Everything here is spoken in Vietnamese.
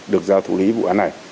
được giao thủ lý vụ án